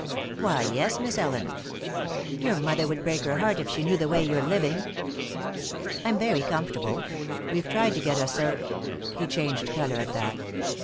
"Why, yes, Miss Ellen." "Your mother would break her heart if she knew the way you're living." "I'm very comfortable. We've tried to get a ser " He changed color at that.